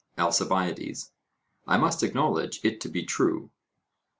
ALCIBIADES: I must acknowledge it to be true.